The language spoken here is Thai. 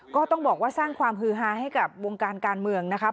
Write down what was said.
ก็ต้องบอกว่าสร้างความฮือฮาให้กับวงการการเมืองนะครับ